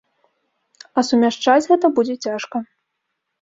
А сумяшчаць гэта будзе цяжка.